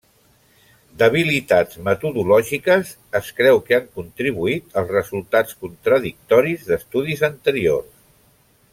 Debilitats metodològiques es creu que han contribuït als resultats contradictoris d'estudis anteriors.